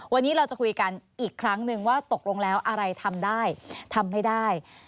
วันนี้เราจะคุยกันอีกครั้งนึงว่าตกลงแล้วอะไรทำได้ทำไม่ได้